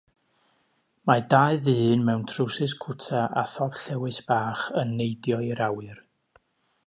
Mae dau ddyn mewn trywsus cwta a thop llewys bach yn neidio i'r awyr